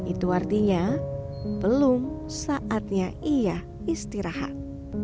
itu artinya belum saatnya ia istirahat